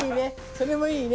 それもいいね。